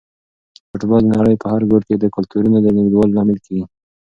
فوټبال د نړۍ په هر ګوټ کې د کلتورونو د نږدېوالي لامل کیږي.